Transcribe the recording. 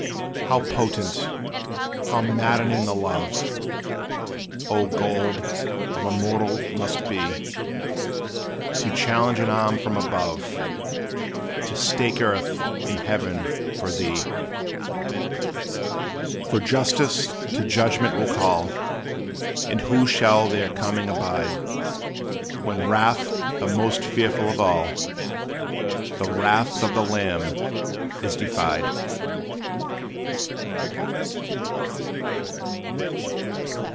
How potent, how maddening the love, O gold, of a mortal must be, To challenge an arm from above To stake earth and heaven for thee! For Justice to Judgment will call; And who shall their coming abide, When wrath the most fearful of all, "The wrath of the Lamb," is defied?